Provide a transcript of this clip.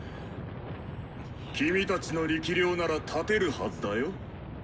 キミたちの力量なら立てるはずだよ？